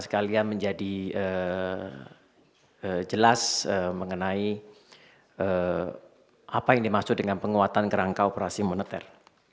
sekalian menjadi jelas mengenai apa yang dimaksud dengan penguatan kerangka operasi moneter